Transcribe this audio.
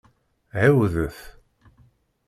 Ɛiwdet!